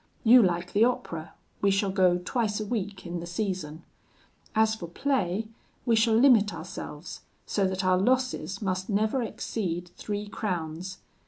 You like the opera; we shall go twice a week, in the season. As for play, we shall limit ourselves; so that our losses must never exceed three crowns.